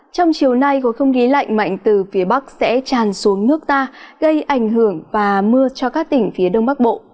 trong chiều nay khối không khí lạnh mạnh từ phía bắc sẽ tràn xuống nước ta gây ảnh hưởng và mưa cho các tỉnh phía đông bắc bộ